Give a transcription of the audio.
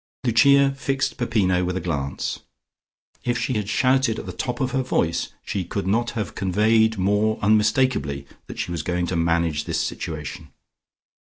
Lucia fixed Peppino with a glance. If she had shouted at the top of her voice she could not have conveyed more unmistakably that she was going to manage this situation.